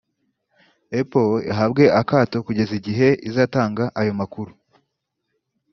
Apple ihabwe akato kugeza igihe izatanga ayo makuru